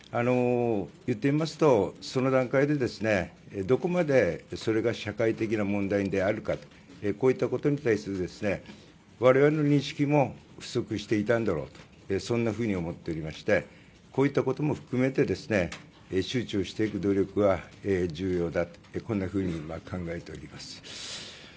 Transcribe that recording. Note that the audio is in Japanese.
言ってみますと、その段階でどこまで、それが社会的な問題であるかこういったことに対する我々の認識も不足していたんだろうとそんなふうに思っておりましてこういったことも含めて周知をしていく努力は重要だと考えております。